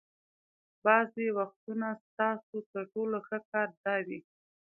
بعضې وختونه ستاسو تر ټولو ښه کار دا وي.